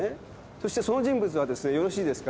そしてその人物はですねよろしいですか？